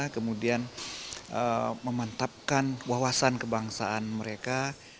kemudian memantapkan wawasan kebangsaan mereka